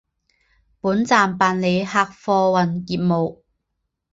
本站办理客货运业务。